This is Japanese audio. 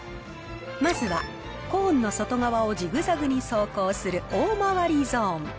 まずはコーンの外側をジグザグに走行する大回りゾーン。